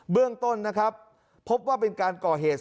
เรื่องต้นนะครับพบว่าเป็นการก่อเหตุ